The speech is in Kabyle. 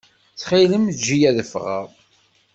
Ttxil-m eǧǧ-iyi ad ffɣeɣ.